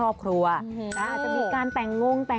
โอเคโอเคโอเคโอเค